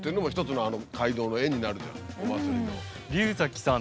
龍崎さん